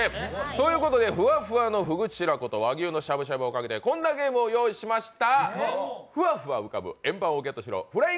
ということでフワフワのフグ白子と和牛のしゃぶしゃぶをかけてこんなゲームを用意しました。